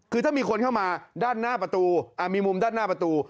คือถ้ามีคนเข้ามาด้านหน้าประตูมีมุมด้านหน้าประตู